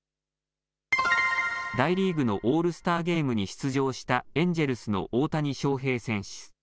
大リーグのオールスターゲームに出場したエンジェルスの大谷翔平選手。